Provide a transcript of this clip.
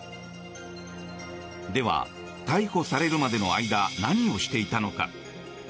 では、逮捕されるまでの間何をしていたのか。